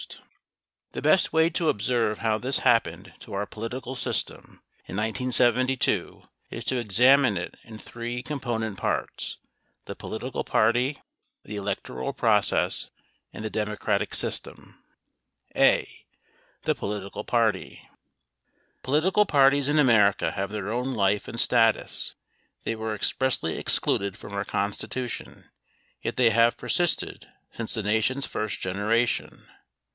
1213 The best way to observe how this happened to our political system in 1972 is to examine it in three component parts : the political party, the electoral process, and the democratic system. A. The Political Party Political parties in America have their own life and status. They were expressly excluded from our Constitution, yet they have per sisted since the Nation's first generation.